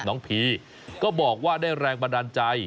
พีก็บอกว่าได้แรงบันดาลใจ